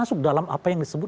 masuk dalam apa yang disebut